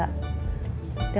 kalau siang kerja